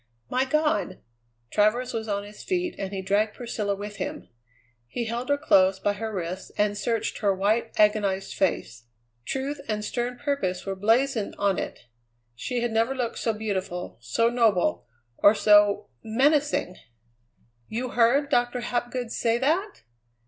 "My God!" Travers was on his feet, and he dragged Priscilla with him. He held her close by her wrists and searched her white, agonized face. Truth and stern purpose were blazoned on it. She had never looked so beautiful, so noble, or so menacing. "You heard Doctor Hapgood say that?"